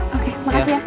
oke makasih ya